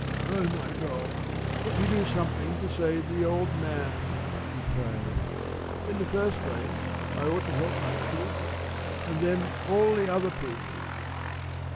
"Oh, my God, let me do something to save the old man!" she prayed. "In the first place, I ought to help my children, and then all the other people."